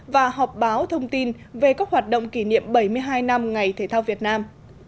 và họp báo thông tin về các hoạt động kỷ niệm bảy mươi hai năm ngày thể thao việt nam